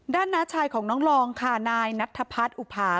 น้าชายของน้องลองค่ะนายนัทพัฒน์อุภา